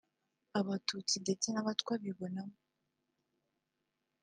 abatutsi ndetse n’abatwa bibonamo